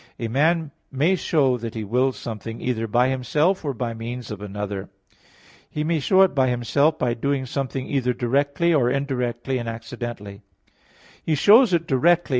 A man may show that he wills something, either by himself or by means of another. He may show it by himself, by doing something either directly, or indirectly and accidentally.